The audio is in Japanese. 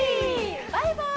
バイバーイ！